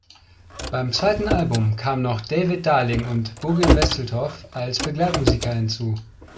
Beim zweiten Album kamen noch David Darling und Bugge Wesseltoft als Begleitmusiker hinzu.